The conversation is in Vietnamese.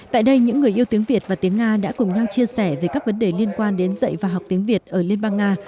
tại đây những người yêu tiếng việt và tiếng nga đã cùng nhau chia sẻ về các vấn đề liên quan đến dạy và học tiếng việt ở liên bang nga